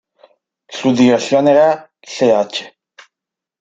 Su dirección era Ch.